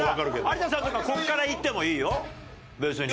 有田さんとかここからいってもいいよ別に。